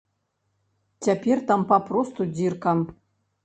Цяпер там папросту дзірка.